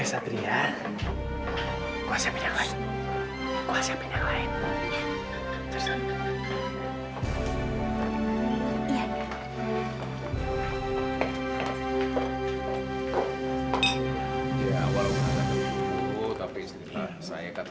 sampai jumpa di video selanjutnya